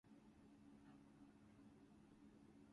He has made a Gift Aid declaration to the charity.